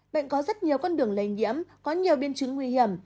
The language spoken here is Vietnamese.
bệnh có rất nhiều con đường lây nhiễm có nhiều biên chứng nguy hiểm